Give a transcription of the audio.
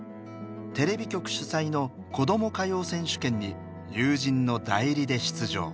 テレビ局主催の「こども歌謡選手権」に友人の代理で出場。